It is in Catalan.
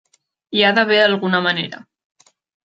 Hi ha d'haver alguna manera.